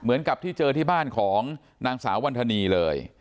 เหมือนกับที่เจอที่บ้านของนางสาววันธนีเลย